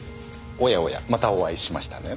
おやおやまたお会いしましたね。